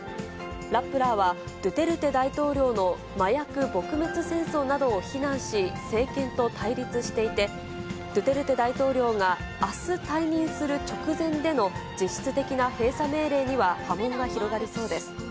ラップラーはドゥテルテ大統領の麻薬撲滅戦争などを非難し、政権と対立していて、ドゥテルテ大統領があす退任する直前での実質的な閉鎖命令には波紋が広がりそうです。